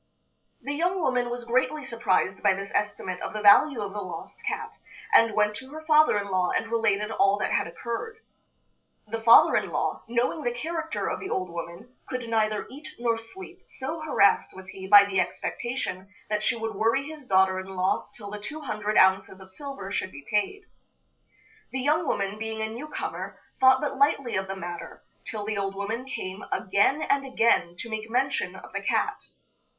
The young woman was greatly surprised by this estimate of the value of the lost cat, and went to her father in law and related all that had occurred. The father in law, knowing the character of the old woman, could neither eat nor sleep, so harassed was he by the expectation that she would worry his daughter in law till the two hundred ounces of silver should be paid. The young woman, being a new comer, thought but lightly of the matter, till the old woman came again and again to make mention of the cat.